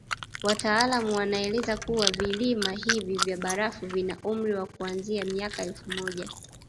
Wataalamu wanaeleza kuwa vilima hivi vya barafu vina umri wa kuanzia miaka elfu moja